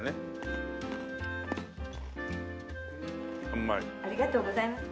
ありがとうございます。